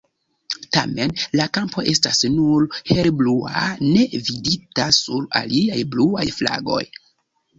Tamen, la kampo estas nur helblua ne vidita sur aliaj bluaj flagoj.